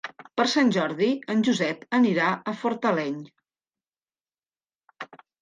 Per Sant Jordi en Josep anirà a Fortaleny.